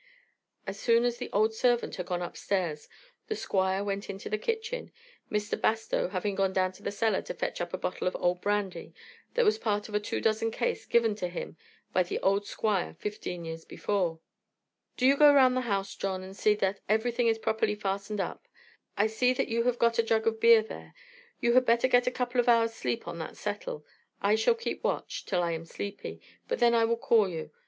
As soon as the old servant had gone upstairs the Squire went into the kitchen, Mr. Bastow having gone to the cellar to fetch up a bottle of old brandy that was part of a two dozen case given to him by the old Squire fifteen years before. "Do you go round the house, John, and see that everything is properly fastened up. I see that you have got a jug of beer there. You had better get a couple of hours' sleep on that settle. I shall keep watch, till I am sleepy, and then I will call you.